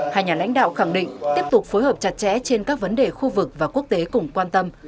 hai nhà lãnh đạo khẳng định tiếp tục phối hợp chặt chẽ trên các vấn đề khu vực và quốc tế cùng quan tâm